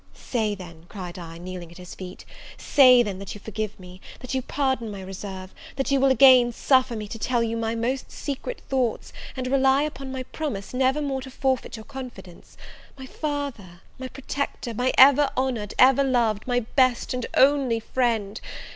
"Say then," cried I, kneeling at his feet, "say then that you forgive me! that you pardon my reserve, that you will again suffer me to tell you my most secret thoughts, and rely upon my promise never more to forfeit your confidence! my father! my protector! my ever honoured, ever loved my best and only friend!